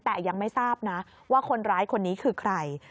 แต่ยังไม่ทราบนะว่าคนร้ายคนนี้คือใคร